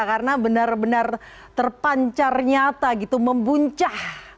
karena benar benar terpancar nyata gitu membuncah